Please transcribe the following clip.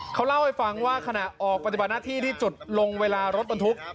เขาเล่าให้ฟังว่าขณะออกปฏิบัติหน้าที่ที่จุดลงเวลารถบรรทุก